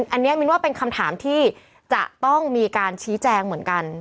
อันนี้มินว่าเป็นคำถามที่จะต้องมีการชี้แจงเหมือนกัน